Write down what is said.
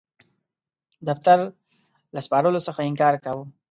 دفتر له سپارلو څخه انکار کاوه.